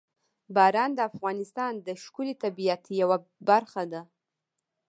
باران د افغانستان د ښکلي طبیعت یوه برخه ده.